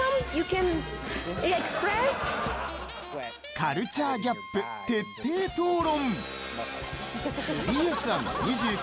カルチャーギャップ、徹底討論。